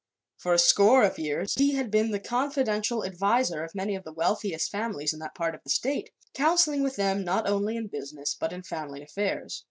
For a score of years he had been the confidential adviser of many of the wealthiest families in that part of the state, counseling with them not only in business but in family affairs.